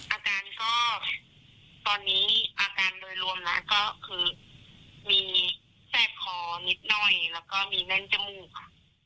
อาการก็ตอนนี้อาการโดยรวมแล้วก็คือมีแสบคอนิดหน่อยแล้วก็มีแน่นจมูกค่ะ